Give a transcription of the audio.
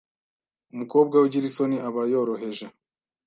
Umukobwa ugira isoni aba yoroheje